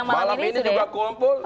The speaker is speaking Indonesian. malam ini juga kumpul